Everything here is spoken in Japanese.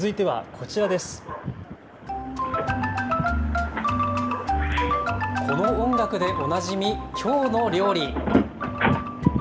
この音楽でおなじみきょうの料理。